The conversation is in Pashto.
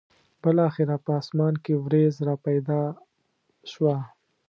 بالاخره به په اسمان کې ورېځ را پیدا شوه.